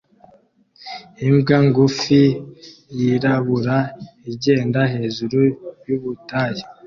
Imbwa ngufi yirabura igenda hejuru yubutayu